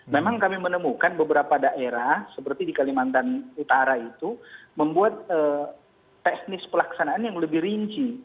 memang kami menemukan beberapa daerah seperti di kalimantan utara itu membuat teknis pelaksanaan yang lebih rinci